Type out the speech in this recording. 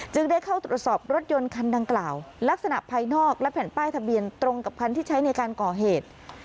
ได้เข้าตรวจสอบรถยนต์คันดังกล่าวลักษณะภายนอกและแผ่นป้ายทะเบียนตรงกับคันที่ใช้ในการก่อเหตุ